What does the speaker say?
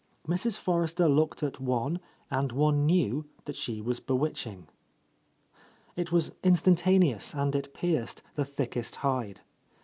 Mfs. Forrester looked at one, and one knew that she was bewitching. It was instantaneous, and it pierced the thickest hide.